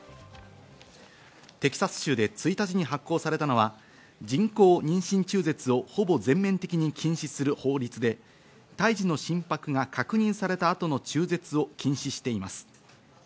テキサス州で１日に発効されたのは、人工妊娠中絶をほぼ全面的に禁止する法律で、胎児の心拍が確認された後の中絶を禁止しています。